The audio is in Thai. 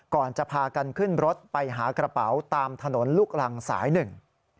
ก่อนจะพากันขึ้นรถไปหากระเป๋าตามถนนลูกรังสายหนึ่ง